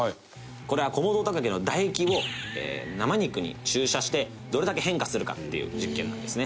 「これはコモドオオトカゲの唾液を生肉に注射してどれだけ変化するかっていう実験なんですね」